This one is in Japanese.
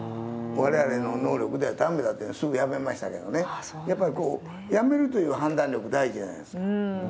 われわれの能力ではだめだと、すぐやめましたけどね、やっぱりこう、やめるという判断力大事じゃないですか。